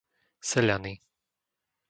Seľany